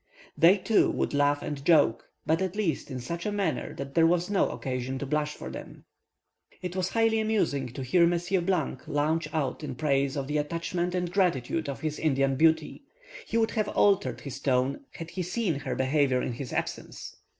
They, too, would laugh and joke, but, at least, in such a manner that there was no occasion to blush for them. It was highly amusing to hear Monsieur launch out in praise of the attachment and gratitude of his Indian beauty; he would have altered his tone had he seen her behaviour in his absence.